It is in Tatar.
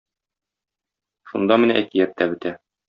Шунда менә әкият тә бетә.